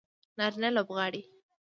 نارینه لوبغاړي